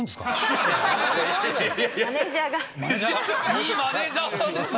いいマネジャーさんですね。